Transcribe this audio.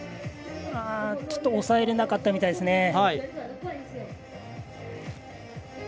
ちょっと抑えられなかったみたいですね。